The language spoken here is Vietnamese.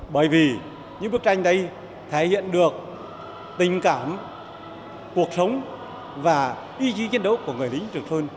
bởi vì những bức tranh đây thể hiện được tình cảm cuộc sống và ý chí chiến đấu của người lính trường sơn